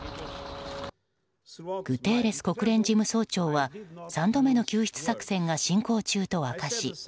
グテーレス国連事務総長は３度目の救出作戦が進行中と明かし